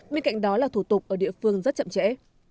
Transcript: bên cạnh đó là thủ tục ở địa phương rất chậm trễ